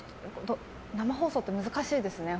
生放送って難しいですね。